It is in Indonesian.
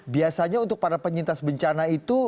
biasanya untuk para penyintas bencana itu